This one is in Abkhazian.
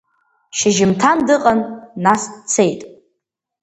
Шьыжьымҭан дыҟан, нас дцеит.